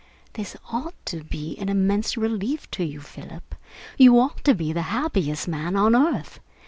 This ought to be an immense relief to you, Philip. You ought to be the happiest man on earth.